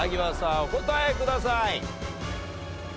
お答えください。